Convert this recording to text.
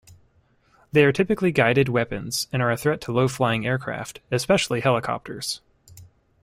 They are typically guided weapons and are a threat to low-flying aircraft, especially helicopters.